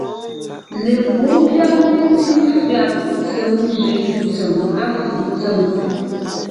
Lepǔ ḿbyág mentí fÿàg ntsèm jʉ̀’ ntsѐm, à fʉ̀’ ntsém.